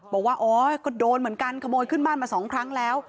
บอกว่าอ๋อก็โดนเหมือนกันขโมยขึ้นบ้านมาสองครั้งแล้ว